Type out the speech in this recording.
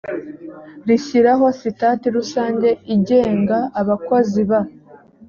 rishyiraho sitati rusange igenga abakozi ba